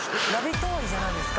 終わりじゃないですか？